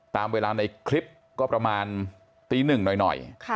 ตามเวลาในคลิปก็ประมาณตีหนึ่งหน่อย